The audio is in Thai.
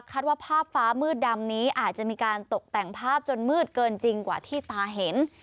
ว่าภาพฟ้ามืดดำนี้อาจจะมีการตกแต่งภาพจนมืดเกินจริงกว่าที่ตาเห็น